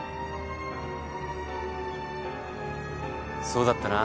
そうだったな。